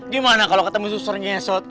gimana kalau ketemu suster nyesot